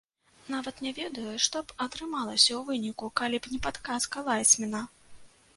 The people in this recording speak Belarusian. Нават не ведаю, што б атрымалася ў выніку, калі б не падказка лайнсмена.